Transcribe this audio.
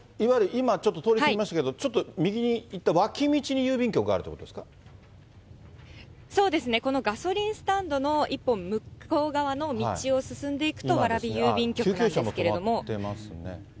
今、ちょっと通り過ぎましたけど、ちょっと右に行った脇道に郵便局があるというそうですね、このガソリンスタンドの１本向こう側の道を進んでいくと、蕨郵便局なんですけれども。